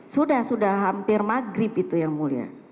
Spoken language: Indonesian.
sudah sudah hampir maghrib itu yang mulia